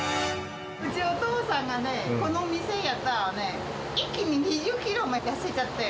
うち、お父さんがね、この店やったらね、一気に２０キロも痩せちゃって。